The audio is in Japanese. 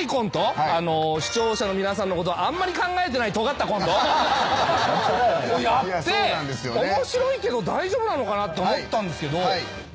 視聴者の皆さんのことあんまり考えてないとがったコントをやって面白いけど大丈夫なのかなって思ったんですけど。